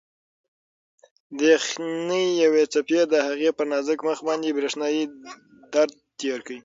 د یخنۍ یوې څپې د هغې پر نازک مخ باندې برېښنايي درد تېر کړ.